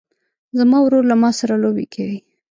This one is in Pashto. زما ورور له ما سره لوبې کوي.